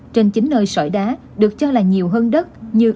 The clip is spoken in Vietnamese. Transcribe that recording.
trên chín nơi sỏi đá được cho là nhiều hơn đất